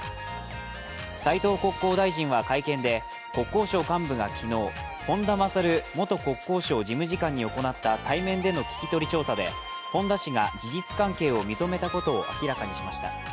斉藤国交大臣は会見で、国交省幹部が昨日本田勝元国交省事務次官に行った対面での聞き取り調査で本田氏が事実関係を認めたことを明らかにしました。